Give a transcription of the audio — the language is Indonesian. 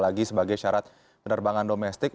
lagi sebagai syarat penerbangan domestik